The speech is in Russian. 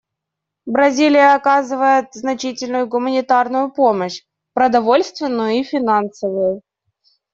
Бразилия оказывает значительную гуманитарную помощь — продовольственную и финансовую.